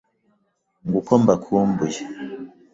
Ngo uko mbakumbuye